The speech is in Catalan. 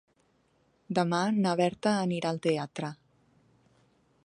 Demà na Berta anirà al teatre.